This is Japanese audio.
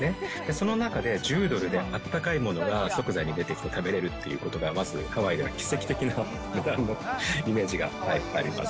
その中で、１０ドルであったかいものが即座に出てきて食べれるっていうことが、まずハワイでは奇跡的な値段のイメージがあります。